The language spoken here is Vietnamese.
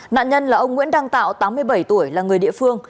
nạn nhân là ông nguyễn đăng tạo tám mươi bảy tuổi là người địa phương